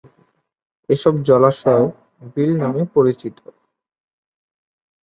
এসব জলাশয় "বিল" নামে পরিচিত।